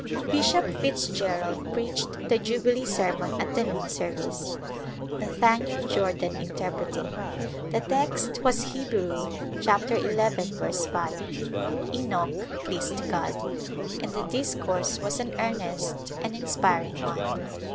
'* Bishop Fitzgerald preached the Jubilee sermon at the noon service, Nathaniel Jordan interpreting. The text was Hebrews 11:5," Enoch pleased God," and the discourse was an earnest and inspiring one.